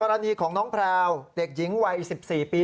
กรณีของน้องแพลวเด็กหญิงวัย๑๔ปี